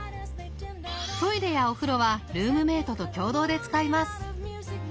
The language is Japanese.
トイレやお風呂はルームメートと共同で使います。